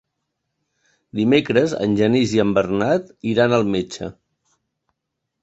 Dimecres en Genís i en Bernat iran al metge.